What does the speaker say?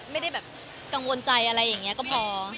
ไม่ได้แบบกังวลใจอะไรอย่างนี้ก็พอ